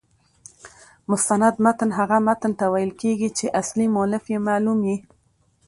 مستند متن هغه متن ته ویل کیږي، چي اصلي مؤلف يې معلوم يي.